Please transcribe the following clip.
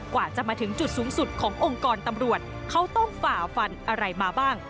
กว่าจะมาถึงจุดสูงสุดขององค์กรตำรวจเขาต้องฝ่าฟันอะไรมาบ้าง